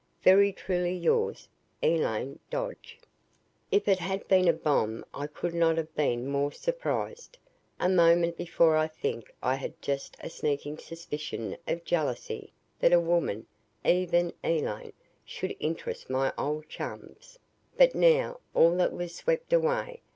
"Very truly yours, ELAINE DODGE." If it had been a bomb I could not have been more surprised. A moment before I think I had just a sneaking suspicion of jealousy that a woman even Elaine should interest my old chums. But now all that was swept away.